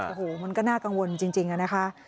โอ้โหมันก็น่ากังวลจริงอะนะคะ